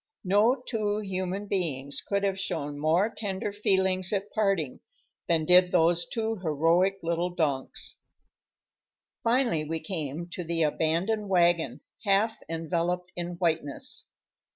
No two human beings could have shown more tender feelings at parting than did those two heroic little donks. Finally we came to the abandoned wagon, half enveloped in whiteness.